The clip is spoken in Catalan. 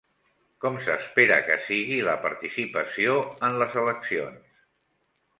Com s'espera que sigui la participació en les eleccions?